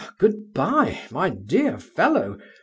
Good bye, my dear fellow.